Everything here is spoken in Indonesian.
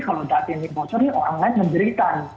kalau data ini bocornya orang lain menjeritan